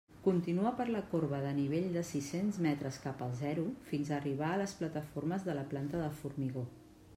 Continua per la corba de nivell de sis-cents metres cap al zero fins a arribar a les plataformes de la planta de formigó.